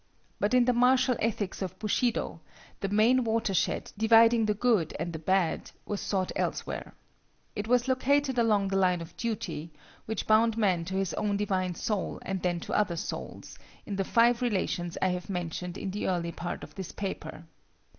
But in the martial ethics of Bushido, the main water shed dividing the good and the bad was sought elsewhere. It was located along the line of duty which bound man to his own divine soul and then to other souls, in the five relations I have mentioned in the early part of this paper.